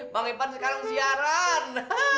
bang ipan sekarang siaran